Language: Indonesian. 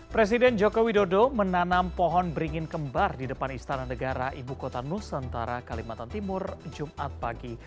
presiden joko widodo menanam pohon beringin kembar di depan istana negara ibu kota nusantara kalimantan timur jumat pagi